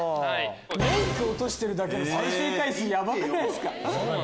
メイク落としてるだけの再生回数ヤバくないっすか？